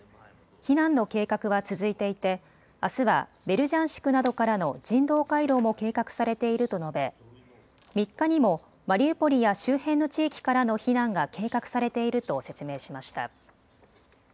避難の計画は続いていてあすはベルジャンシクなどからの人道回廊も計画されていると述べ３日にもマリウポリや周辺の地域からの避難が計画されていると説明しました。